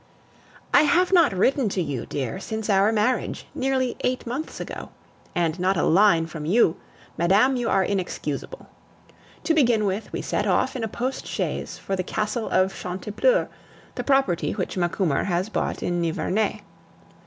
I have not written to you, dear, since our marriage, nearly eight months ago. And not a line from you! Madame, you are inexcusable. To begin with, we set off in a post chaise for the Castle of Chantepleurs, the property which Macumer has bought in Nivernais.